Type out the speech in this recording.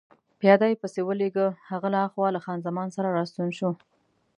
پیاده يې پسې ولېږه، هغه له هاخوا له خان زمان سره راستون شو.